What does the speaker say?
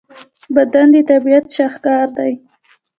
بدن د طبیعت شاهکار دی.